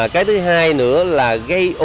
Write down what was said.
cái thứ hai nữa là gây